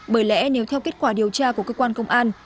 bởi lẽ nếu theo kết quả điều tra của cơ quan công an